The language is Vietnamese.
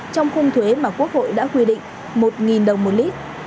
trong khung thuế mà quốc hội đã quy định một đồng một lít